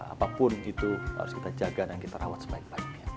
apapun itu harus kita jaga dan kita rawat sebaik baiknya